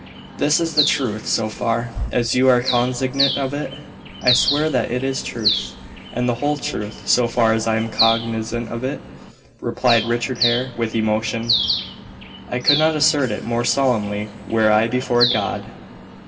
"This is the truth, so far as you are cognizant of it?" "I swear that it is truth, and the whole truth, so far as I am cognizant of it," replied Richard Hare, with emotion. "I could not assert it more solemnly were I before God."